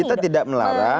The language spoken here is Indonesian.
kita tidak melarang